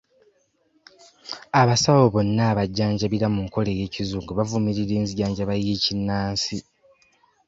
Abasawo bonna abajjanjabira mu nkola ey'ekizungu bavumirira enzijanjaba y'ekinnansi.